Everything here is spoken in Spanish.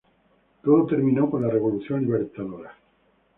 Todo terminó con la Revolución Libertadora.